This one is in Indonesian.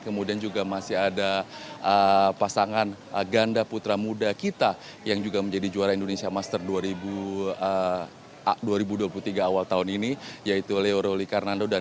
kemudian juga masih ada pasangan ganda putra muda kita yang juga menjadi juara indonesia master dua ribu dua puluh tiga awal tahun ini yaitu leo roli karnando dan